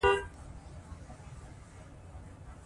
فاریاب د افغانستان طبعي ثروت دی.